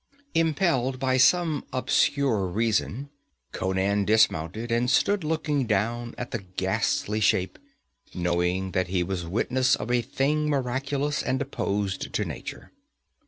Impelled by some obscure reason, Conan dismounted and stood looking down at the ghastly shape, knowing that he was witness of a thing miraculous and opposed to nature.